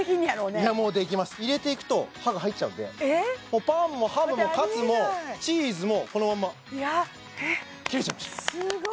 いやもうできます入れていくと刃が入っちゃうんでパンもハムもカツもチーズもこのまんま切れちゃいましたすごい！